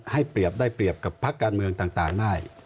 เปรียบได้เปรียบกับพักการเมืองต่างได้